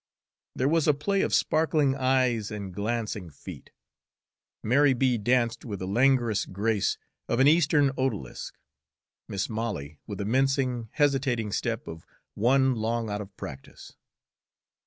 There was a play of sparkling eyes and glancing feet. Mary B. danced with the languorous grace of an Eastern odalisque, Mis' Molly with the mincing, hesitating step of one long out of practice.